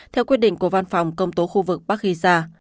theo quyết định của văn phòng công tố khu vực bắc gisa